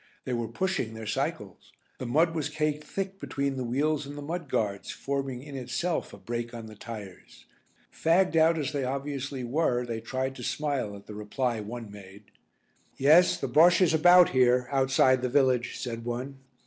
They were pushing their cycles; the mud was caked thick between the wheels and the mudguards forming in itself a brake on the tyres. Fagged out as they obviously were they tried to smile at the reply one made. "Yes, the Bosche is about here outside the village," said one.